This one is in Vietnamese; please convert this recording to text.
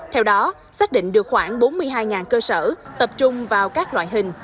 theo đó xác định được khoảng bốn mươi hai cơ sở tập trung vào các loại hình